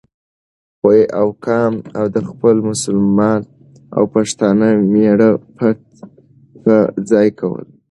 او کام او د خپل مسلمان او پښتانه مېـړه پت په ځای کول،